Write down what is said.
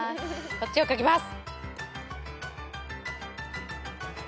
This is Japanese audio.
こっちを書きます。